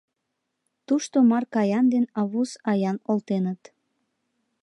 Тушто Марк-Яан ден Аввус-Яан олтеныт.